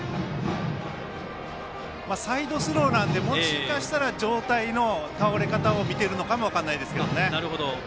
サイドスローなのでもしかしたら、上体の倒れ方を見ているのかも分からないですね。